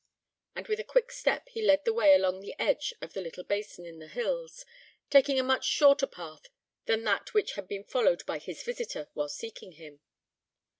And with a quick step he led the way along the edge of the little basin in the hills, taking a much shorter path than that which had been followed by his visitor while seeking him.